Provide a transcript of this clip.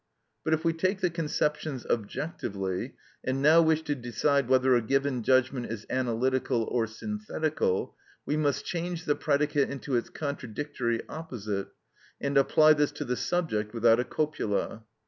But if we take the conceptions objectively, and now wish to decide whether a given judgment is analytical or synthetical, we must change the predicate into its contradictory opposite, and apply this to the subject without a copula.